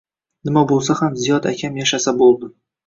Nima boʻlsa ham Ziyod akam yashasa boʻldi